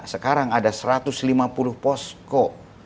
sekarang ada satu ratus lima puluh posko